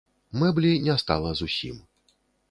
Мэблі не стала зусім.